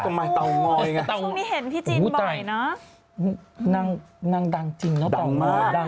ต้องมายเตางอยไงอู๋ตายนางดังจริงเนอะเตางอย